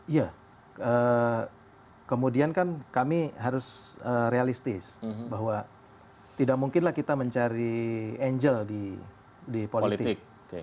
iya kemudian kan kami harus realistis bahwa tidak mungkinlah kita mencari angel di politik